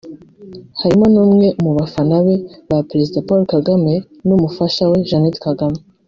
harimo n’umwe mu bana bane ba Perezida Paul Kagame n’umufasha we Jeannette Kagame